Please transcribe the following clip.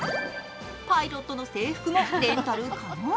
パイロットの制服もレンタル可能。